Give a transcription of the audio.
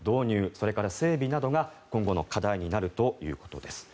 それから整備などが今後の課題になるということです。